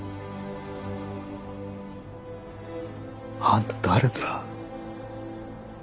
あんた誰だ？